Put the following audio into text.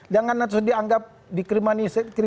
jangan langsung dianggap dikriminalisasi